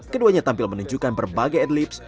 keduanya tampil menunjukkan berbagai ad libs